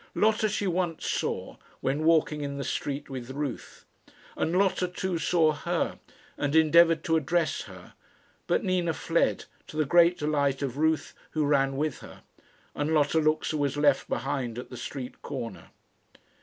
Lotta she once saw, when walking in the street with Ruth; and Lotta too saw her, and endeavoured to address her; but Nina fled, to the great delight of Ruth, who ran with her; and Lotta Luxa was left behind at the street corner.